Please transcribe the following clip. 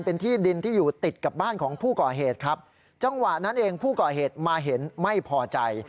เป็นที่ดินที่อยู่ติดกับบ้านของผู้ก่อเหตุครับจังหวะนั้นเองผู้ก่อเหตุมาเห็นไม่พอใจ